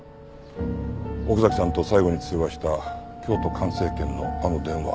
奥崎さんと最後に通話した京都環生研のあの電話。